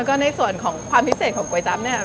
แล้วก็ในส่วนของความพิเศษของก๋วยจับเนี่ย